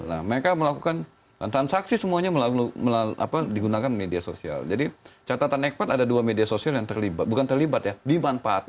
nah mereka melakukan transaksi semuanya digunakan media sosial jadi catatan ekpat ada dua media sosial yang terlibat bukan terlibat ya dimanfaatkan